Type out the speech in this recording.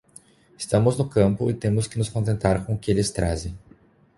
Estamos no campo e temos que nos contentar com o que eles trazem.